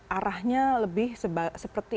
arahnya lebih seperti